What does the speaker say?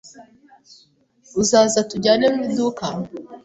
Uzaza tujyane mu iduka?